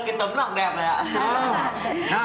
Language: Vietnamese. xin phép lưu lại cái khoảnh khắc